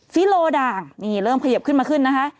ฟิโลด่างนี่เริ่มขยิบขึ้นมาขึ้นนะคะ